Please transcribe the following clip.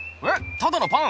ただのパン？